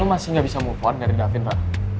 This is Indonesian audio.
lo masih gak bisa move on dari davin ra